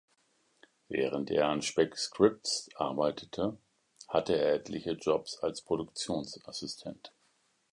Während er an Spec Scripts arbeitete, hatte er etliche Jobs als Produktionsassistent.